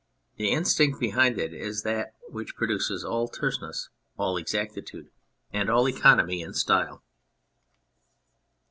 " The instinct behind it is that which produces all terseness, all exactitude, and all economy in style.